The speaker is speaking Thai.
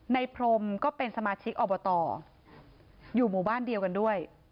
พรมก็เป็นสมาชิกอบตอยู่หมู่บ้านเดียวกันด้วย